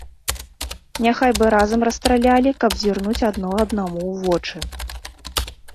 Няхай бы разам расстралялі, каб зірнуць адно аднаму ў вочы.